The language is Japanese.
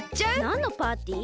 なんのパーティー？